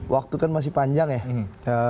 waktu kan masih panjang ya